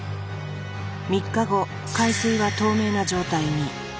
３日後海水は透明な状態に。